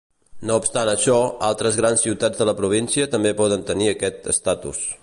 No obstant això, altres grans ciutats de la província també poden tenir aquest estatus.